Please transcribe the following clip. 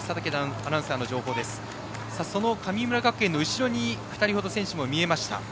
その神村学園の後ろに２人程、選手が見えました。